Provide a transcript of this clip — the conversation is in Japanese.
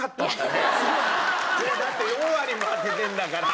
だって４割も当ててるんだから。